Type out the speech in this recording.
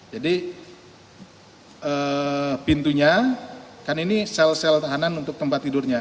jadi pintunya kan ini sel sel tahanan untuk tempat tidurnya